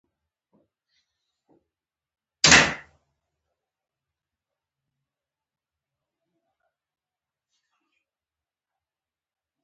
د پوهنتون دوره د زده کړې زرین چانس دی.